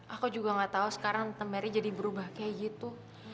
aku juga gak tau sekarang tante merry jadi berubah kayak gitu